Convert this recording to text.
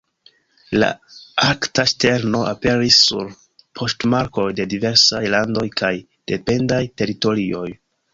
La Arkta ŝterno aperis sur poŝtmarkoj de diversaj landoj kaj dependaj teritorioj.